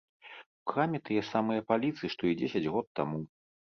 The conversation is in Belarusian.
У краме тыя самыя паліцы, што і дзесяць год таму.